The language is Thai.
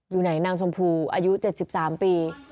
อยู่ไหนนางชมพูอายุ๗๓ปี